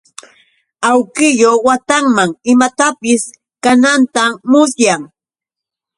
Awkillu watanman imatapis kanantam musyan.